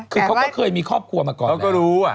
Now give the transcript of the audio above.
คือเขาก็เคยมีครอบครัวมาก่อนแล้ว